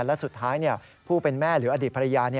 และสุดท้ายผู้เป็นแม่หรืออดีตภรรยา